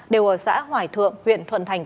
đều ở xã hoài thượng huyện thuần thành